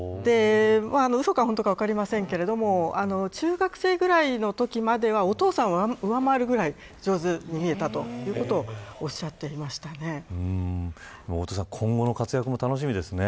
うそか本当か分かりませんが中学生ぐらいのときまではお父さんを上回るぐらいに上手に今後の活躍も楽しみですね。